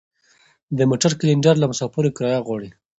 د موټر کلینډر له مسافرو کرایه غواړي.